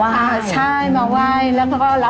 การที่บูชาเทพสามองค์มันทำให้ร้านประสบความสำเร็จ